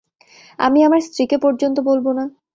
আমি আমার স্ত্রীকে পর্যন্ত বলব না।